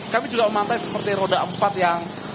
kami juga memantai seperti roda empat yang